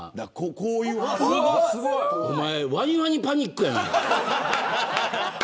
おまえワニワニパニックやな。